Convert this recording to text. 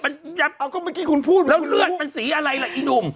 เอาก็เมื่อกี้คุณพูดมาแล้วเลือดมันสีอะไรล่ะอีหนุ่ม